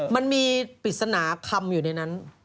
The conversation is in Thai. มันมีปริศนาคำอยู่ในนั้น